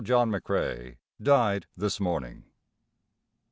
John McCrae died this morning.